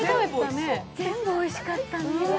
全部おいしかったんです。